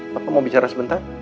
papa mau bicara sebentar